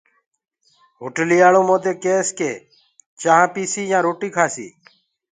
هوٽلَيآݪو مودي ڪيس چآنه پيسي يآنٚ روٽيٚ کآسيٚ